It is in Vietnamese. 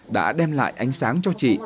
đã đem lại ánh sáng cho chị